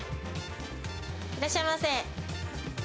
いらっしゃいませ。